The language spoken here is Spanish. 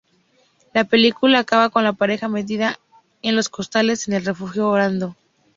La película acaba con la pareja metida en los costales en el refugio, orando.